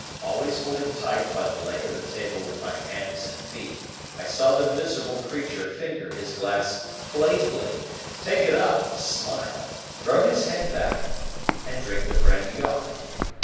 Always holding tight by the leg of the table with my hands and feet, I saw the miserable creature finger his glass playfully, take it up, smile, throw his head back, and drink the brandy off.